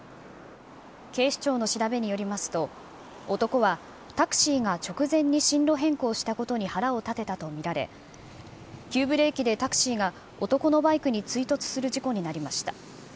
警視庁の調べによりますと、男はタクシーが直前に進路変更したことに腹を立てたと見られ急ブレーキでタクシーが男のバイクに追突する事故になりました。